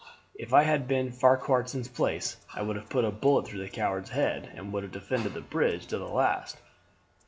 If I had been in Farquharson's place I would have put a bullet through the coward's head, and would have defended the bridge till the last.